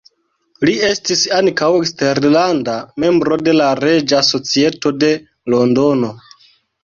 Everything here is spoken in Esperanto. Li estis ankaŭ eskterlanda membro de la Reĝa Societo de Londono.